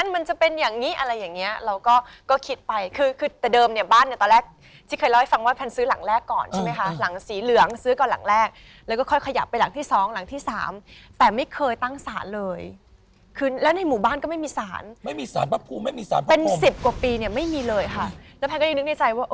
เดี๋ยวสู้พี่มดามไม่ได้ค่ะค่ะ